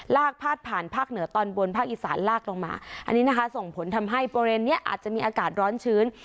ลากพาดผ่านภาคเหนือตอนบนภาคอีสานลากลงมาอันนี้นะคะส่งผลทำให้บริเวณนี้อาจจะมีอากาศร้อนชื้น